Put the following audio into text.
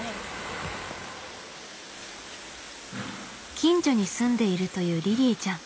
近所に住んでいるというりりぃちゃん。